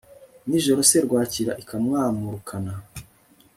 nijoro serwakira ikamwamurukana